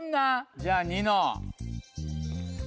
じゃあニノ。